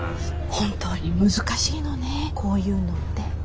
本当に難しいのねこういうのって。